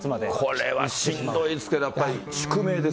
これはしんどいですけど、やっぱり宿命ですか。